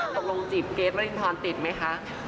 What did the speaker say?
ตกลงจีบเกรทวรินทรติดไหมคะ